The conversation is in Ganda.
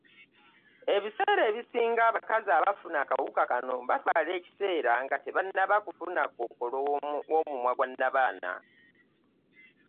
Ebiseera ebisinga abakazi abafuna akawuka kano batwala ekiseera nga tebannaba kufuna kookolo w’omumwa gwa nabaana.